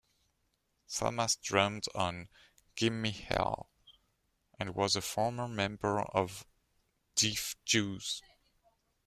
Thomas drummed on "Gimme Hell" and was a former member of Dif Juz.